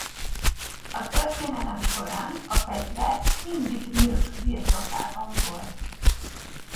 A történelem során a fegyver mindig nők birtokában volt.